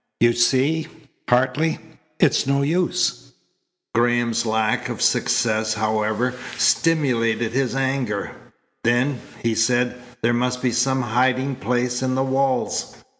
"You see, Hartley, it's no use." Graham's lack of success, however, stimulated his anger. "Then," he said, "there must be some hiding place in the walls.